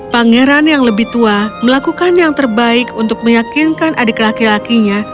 pangeran yang lebih tua melakukan yang terbaik untuk meyakinkan adik laki lakinya